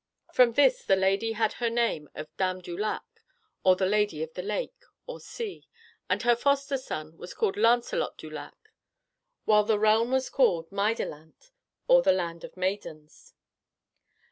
From this the lady had her name of Dame du Lac, or the Lady of the Lake (or Sea), and her foster son was called Lancelot du Lac, while the realm was called Meidelant, or the Land of Maidens.